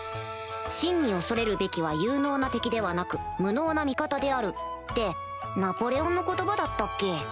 「真に恐れるべきは有能な敵ではなく無能な味方である」ってナポレオンの言葉だったっけ？